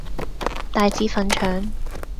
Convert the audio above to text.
帶子腸粉